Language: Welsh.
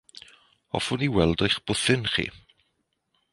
Hoffwn i weld eich bwthyn chi.